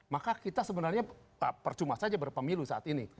maka kita sebenarnya percuma saja berpemilu saat ini